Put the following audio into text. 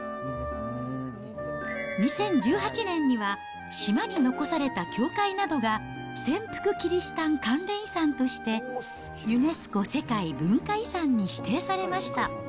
２０１８年には島に残された教会などが、潜伏キリシタン関連遺産としてユネスコ世界文化遺産に指定されました。